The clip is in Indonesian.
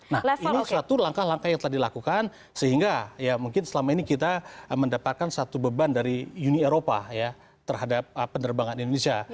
nah ini adalah satu langkah langkah yang telah dilakukan sehingga mungkin selama ini kita mendapatkan satu beban dari uni eropa terhadap penerbangan di indonesia